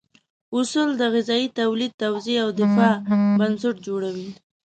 اصول د غذا تولید، توزیع او دفاع بنسټ جوړوي.